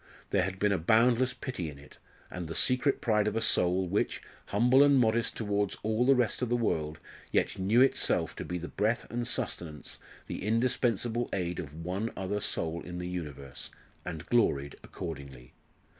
There had been a boundless pity in it, and the secret pride of a soul, which, humble and modest towards all the rest of the world, yet knew itself to be the breath and sustenance, the indispensable aid of one other soul in the universe, and gloried accordingly.